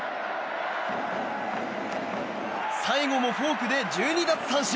最後もフォークで１２奪三振！